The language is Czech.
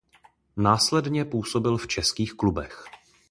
Následně působil v českých klubech.